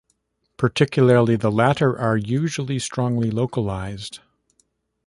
Particularly the latter are usually strongly localized.